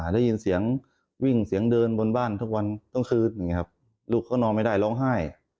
ได้ยินเสียงวิ่งเสียงเดินบนบ้านทุกวันต้องคืนลูกก็นอนไม่ได้ร้องไห้